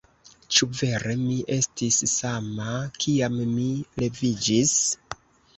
Ĉu vere mi estis sama kiam mi leviĝis?